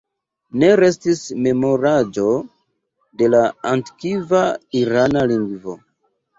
Ne restis memoraĵo de la antikva irana lingvo.